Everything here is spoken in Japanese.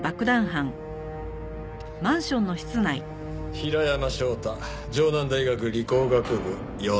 平山翔太城南大学理工学部４年。